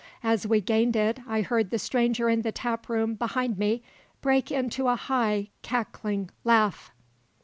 As we gained it I heard the stranger in the taproom behind me break into a high, cackling laugh.